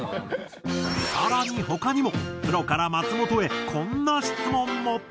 さらに他にもプロから松本へこんな質問も。